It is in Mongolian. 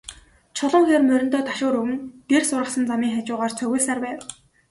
Чулуун хээр мориндоо ташуур өгөн, дэрс ургасан замын хажуугаар цогиулсаар байв.